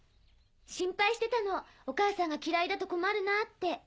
心配してたのお母さんが嫌いだと困るなぁって。